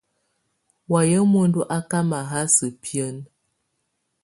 Wayɛ̀á muǝndu á ká mahása biǝ́nǝ́.